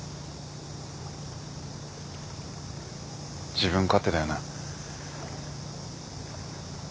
自分勝手だよね。